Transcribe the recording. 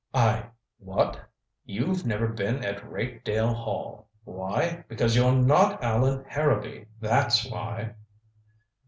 "I what " "You've never been at Rakedale Hall. Why? Because you're not Allan Harrowby! That's why."